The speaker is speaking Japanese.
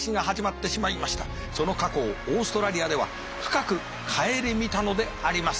その過去をオーストラリアでは深く省みたのであります。